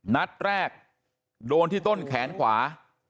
นัดแรกโดนที่ต้นแขนขวา